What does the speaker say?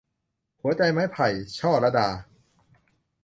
หัวใจไม้ไผ่ - ช่อลัดา